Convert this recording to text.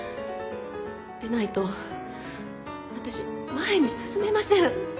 でないと私前に進めません